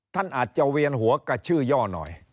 ท่านอาจจะเวียนหัวกระชื่อย่อหน่อย